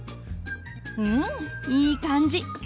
うんいい感じ。